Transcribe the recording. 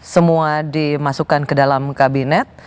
semua dimasukkan ke dalam kabinet